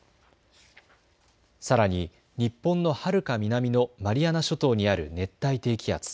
さらに日本のはるか南のマリアナ諸島にある熱帯低気圧。